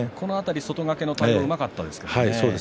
外掛けの対応はうまかったですけどね。